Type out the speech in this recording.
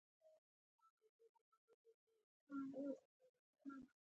دا ټول دنیوي چارې دي.